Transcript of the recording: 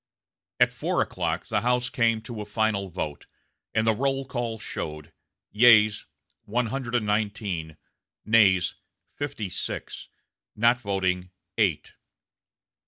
At four o'clock the House came to a final vote, and the roll call showed: yeas, one hundred and nineteen; nays, fifty six; not voting, eight.